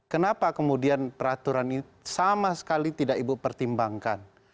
kenapa kemudian peraturan ini sama sekali tidak ibu pertimbangkan